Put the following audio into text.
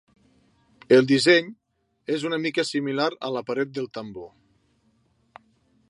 El disseny és una mica similar a la paret del tambor.